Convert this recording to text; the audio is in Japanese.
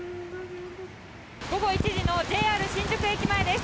午後１時のＪＲ新宿駅前です。